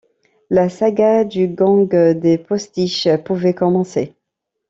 La saga du gang des postiches pouvait commencer.